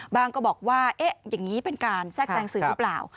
ก็บอกว่าอย่างนี้เป็นการแทรกแจงสื่อหรือเปล่า